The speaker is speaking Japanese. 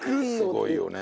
すごいよね！